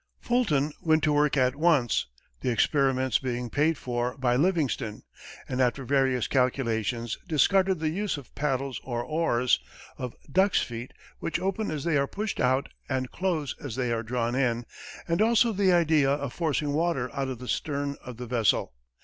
Fulton went to work at once, the experiments being paid for by Livingston, and after various calculations, discarded the use of paddles or oars, of ducks' feet which open as they are pushed out and close as they are drawn in, and also the idea of forcing water out of the stern of the vessel.